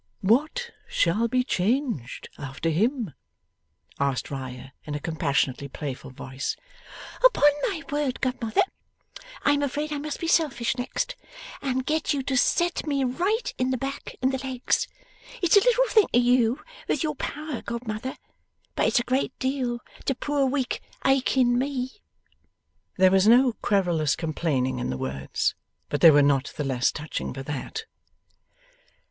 'What shall be changed, after him?' asked Riah in a compassionately playful voice. 'Upon my word, godmother, I am afraid I must be selfish next, and get you to set me right in the back and the legs. It's a little thing to you with your power, godmother, but it's a great deal to poor weak aching me.' There was no querulous complaining in the words, but they were not the less touching for that.